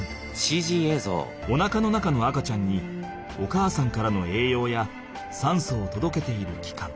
おなかの中の赤ちゃんにお母さんからのえいようやさんそをとどけているきかん。